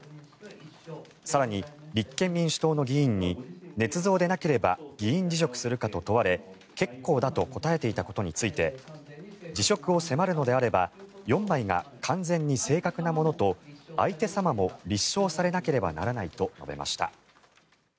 更に、立憲民主党の議員にねつ造でなければ議員辞職するかと問われ結構だと答えていたことについて辞職を迫るのであれば４枚が完全に正確なものと相手様も立証されなければならないと述べました。